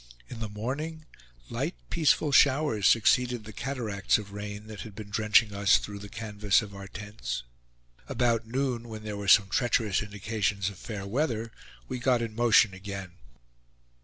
In the morning, light peaceful showers succeeded the cataracts of rain, that had been drenching us through the canvas of our tents. About noon, when there were some treacherous indications of fair weather, we got in motion again.